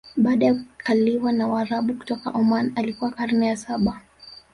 Baada ya kukaliwa na waarabu kutoka Oman Ilikuwa karne ya Saba